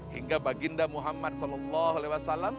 hingga baginda muhammad saw